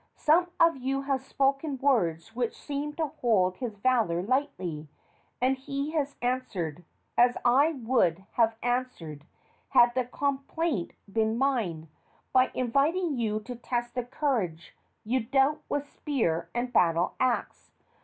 Some of you have spoken words which seem to hold his valor lightly, and he has answered, as I would have answered had the complaint been mine, by inviting you to test the courage you doubt with spear and battle axe.